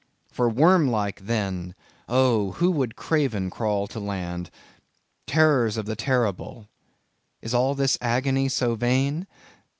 For worm like, then, oh! who would craven crawl to land! Terrors of the terrible! is all this agony so vain?